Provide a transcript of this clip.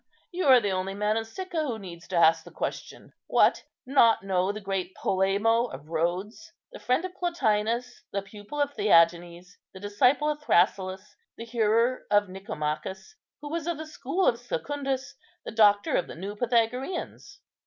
"You are the only man in Sicca who needs to ask the question. What! not know the great Polemo of Rhodes, the friend of Plotinus, the pupil of Theagenes, the disciple of Thrasyllus, the hearer of Nicomachus, who was of the school of Secundus, the doctor of the new Pythagoreans?